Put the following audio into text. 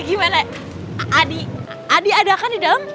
gimana adi adi ada kan di dalam